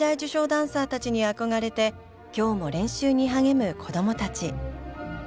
ダンサーたちに憧れて今日も練習に励む子どもたち。